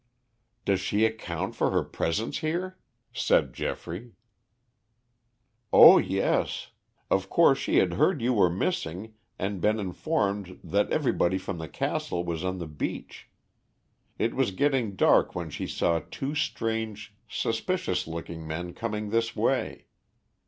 "Does she account for her presence here?" said Geoffrey. "Oh, yes. Of course she had heard you were missing and been informed that everybody from the castle was on the beach. It was getting dark when she saw two strange suspicious looking men coming this way.